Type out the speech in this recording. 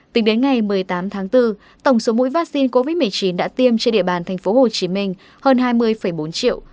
tính đến ngày một mươi tám tháng bốn tổng số mũi vaccine covid một mươi chín đã tiêm trên địa bàn tp hcm hơn hai mươi bốn triệu